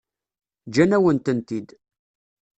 Ǧǧan-awen-tent-id.